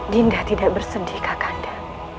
dinda tidak bersedih kakanda